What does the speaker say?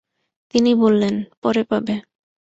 তিনি বললেন, পরে পাবে।